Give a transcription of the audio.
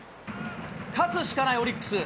勝つしかないオリックス。